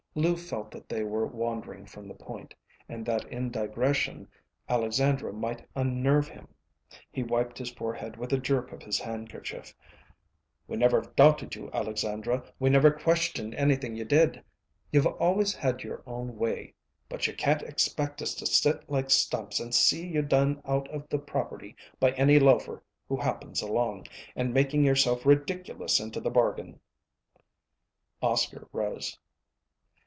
Lou felt that they were wandering from the point, and that in digression Alexandra might unnerve him. He wiped his forehead with a jerk of his handkerchief. "We never doubted you, Alexandra. We never questioned anything you did. You've always had your own way. But you can't expect us to sit like stumps and see you done out of the property by any loafer who happens along, and making yourself ridiculous into the bargain." Oscar rose.